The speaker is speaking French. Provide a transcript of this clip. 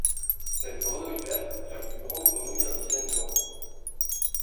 Cette grenouille verte est la plus grande grenouille indigène d'Europe.